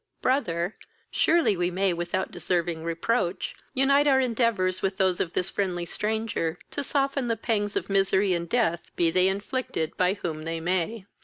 Brother, surely we may, without deserving reproach, unite our endeavours with those of this friendly stranger, to soften the pangs of misery and death, be they inflicted by whom they may."